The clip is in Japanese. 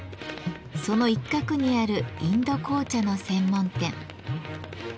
その一角にあるインド紅茶の専門店。